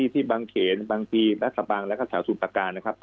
ที่บางเขียนบางทีบรรษบังและกระสาวสูตรประการนะครับ